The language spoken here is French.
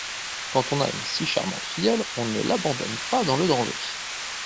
Quand on a une si charmante filleule, on ne l'abandonne pas dans le danger.